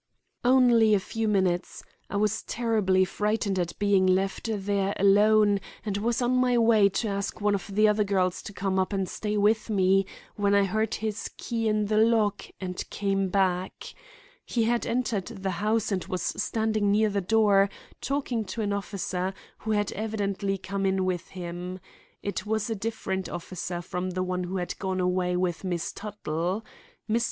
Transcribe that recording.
"Only a few minutes. I was terribly frightened at being left there alone and was on my way to ask one of the other girls to come up and stay with me, when I heard his key in the lock and came back. He had entered the house and was standing near the door talking to an officer, who had evidently come in with him. It was a different officer from the one who had gone away with Miss Tuttle. Mr.